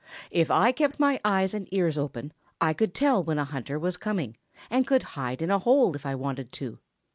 If I kept my eyes and ears open, I could tell when a hunter was coming and could hide in a hole if I wanted to.